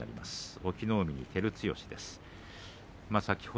隠岐の海に照強です。